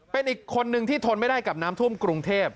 เป็นอีกคนนึงที่ทนไม่ได้กับน้ำท่วมกรุงเทพ